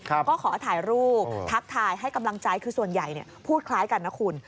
ก็ขอถ่ายรูปทักทายให้กำลังใจคือส่วนใหญ่พูดคล้ายกันนะคุณ